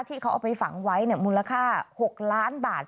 ที่เขาเอาไปฝังไว้มูลค่า๖ล้านบาท